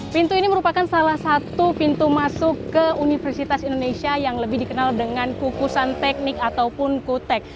pintu ini merupakan salah satu pintu masuk ke universitas indonesia yang lebih dikenal dengan kukusan teknik ataupun kutek